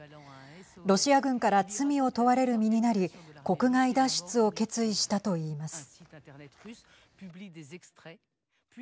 ロシア軍から罪を問われる身になり国外脱出を決意したといいます。